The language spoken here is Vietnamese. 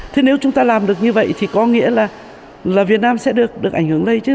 thế nếu chúng ta làm được như vậy thì có nghĩa là việt nam sẽ được ảnh hưởng đây chứ